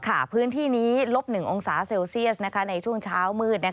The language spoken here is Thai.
พื้นที่นี้ลบ๑องศาเซลเซียสในช่วงเช้ามืด